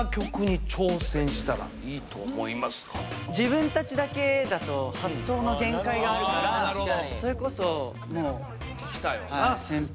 自分たちだけだと発想の限界があるからそれこそもう先輩という。